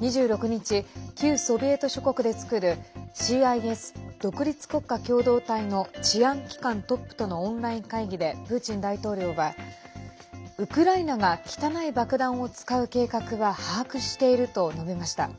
２６日、旧ソビエト諸国で作るＣＩＳ＝独立国家共同体の治安機関トップとのオンライン会議でプーチン大統領は、ウクライナが汚い爆弾を使う計画は把握していると述べました。